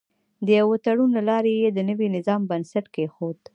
د یوه تړون له لارې یې د نوي نظام بنسټ کېښود.